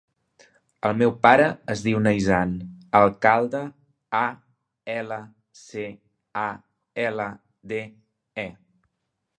El meu pare es diu Neizan Alcalde: a, ela, ce, a, ela, de, e.